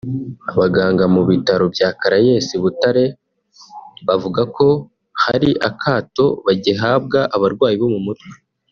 Abaganga mu bitaro bya Caraes Butare bavuga ko hari akato kagihabwa abarwayi bo mu mutwe